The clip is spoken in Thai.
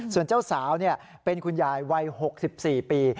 ส่วนเจ้าสาวเป็นคุณยายวัย๖๔ปี